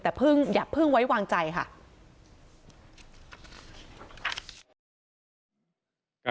แต่อย่าเพิ่งไว้วางใจค่ะ